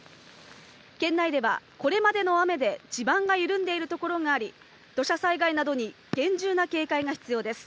県内では、これまでの雨で地盤が緩んでいる所があり、土砂災害などに厳重な警戒が必要です。